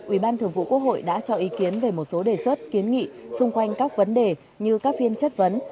ubthqh đã cho ý kiến về một số đề xuất kiến nghị xung quanh các vấn đề như các phiên chất vấn